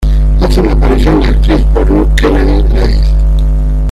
Hace una aparición la actriz porno Kennedy Leigh.